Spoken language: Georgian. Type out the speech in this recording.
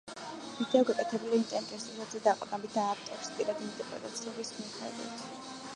ვიდეო გაკეთებულია ინტერნეტ რესურსებზე დაყრდნობით და ავტორის პირადი ინტერპრეტაციების მიხედვით.